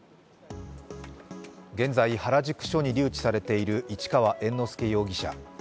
現在、原宿署に留置されている市川猿之助容疑者。